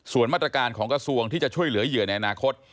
ส่วนมาตรการของกระทรวงที่จะช่วยเหลือเหยื่อในอนาคต